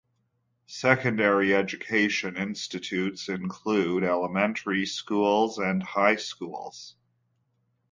Secondary education institutions include elementary schools and high schools.